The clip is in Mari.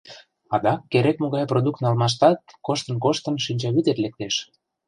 Адак керек-могай продукт налмаштат, коштын-коштын, шинчавӱдет лектеш.